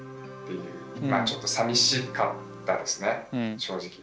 まあちょっとさみしかったですね正直。